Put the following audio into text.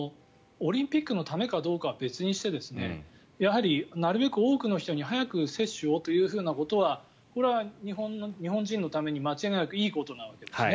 オリンピックのためかどうかは別にしてやはりなるべく多くの人に早く接種をというようなことはこれは日本人のために間違いなくいいことのわけですね。